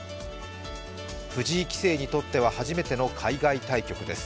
藤井棋聖にとっては初めての海外対局です。